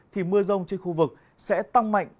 thì mưa rông trên khu vực sẽ tăng mạnh